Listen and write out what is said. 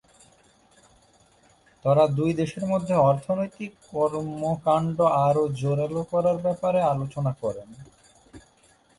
তারা দুই দেশের মধ্যে অর্থনৈতিক কর্মকাণ্ড আরো জোরালো করার ব্যাপারে আলোচনা করেন।